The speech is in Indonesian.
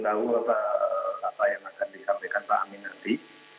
jadi saya belum tahu apa yang akan disampaikan pak amin nanti